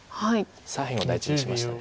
左辺を大事にしました。